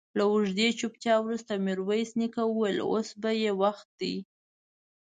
له اوږدې چوپتيا وروسته ميرويس نيکه وويل: اوس يې وخت دی.